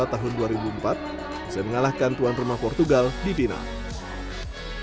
tahun dua ribu empat bisa mengalahkan tuan rumah portugal di final